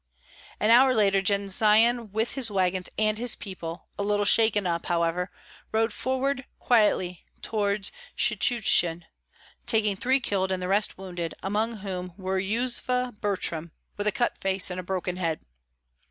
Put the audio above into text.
An hour later, Jendzian with his wagons and his people, a little shaken up however, rode forward quietly toward Shchuchyn, taking three killed and the rest wounded, among whom were Yuzva Butrym, with a cut face and a broken head.